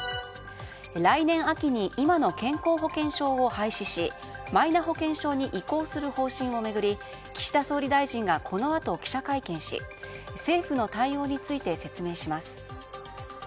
来年秋に今の健康保険証を廃止しマイナ保険証に移行する方針を巡り岸田総理大臣がこのあと記者会見し政府の対応について説明します。